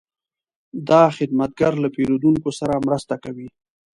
دا خدمتګر له پیرودونکو سره مرسته کوي.